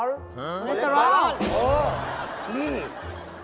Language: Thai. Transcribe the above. เนี่ยเนี่ย